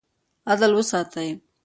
عدل وساتئ.